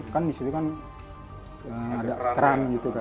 kan disitu kan ada kran gitu kan